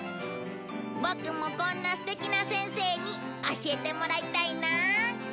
ボクもこんな素敵な先生に教えてもらいたいな。